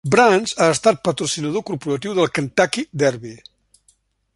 Brands ha estat patrocinador corporatiu del Kentucky Derby.